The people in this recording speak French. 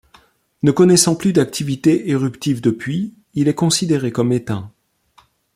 Ne connaissant plus d'activité éruptive depuis, il est considéré comme éteint.